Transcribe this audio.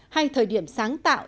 hay thời điểm sáng tạo